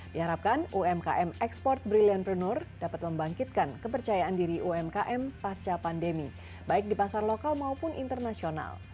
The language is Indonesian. diharapkan umkm ekspor brilliantpreneur dapat membangkitkan kepercayaan diri umkm pasca pandemi baik di pasar lokal maupun internasional